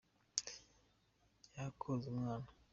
jya koza umwana.